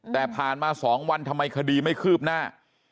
แต่ผ่านมา๒วันทำไมคดีไม่คืบหน้า